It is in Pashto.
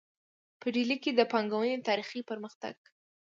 په ډیلي کې د پانګونې تاریخي پرمختګ